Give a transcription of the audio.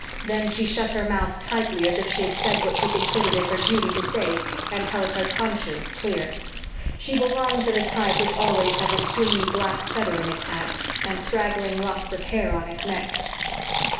Then she shut her mouth tightly, as if she had said what she considered it her duty to say and held her conscience clear. She belonged to the type which always has a stringy black feather in its hat and straggling locks of hair on its neck.